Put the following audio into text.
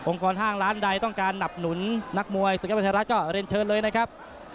กรห้างร้านใดต้องการหนับหนุนนักมวยศึกยอดมวยไทยรัฐก็เรียนเชิญเลยนะครับ